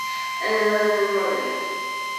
Elgon on the Kenyan border.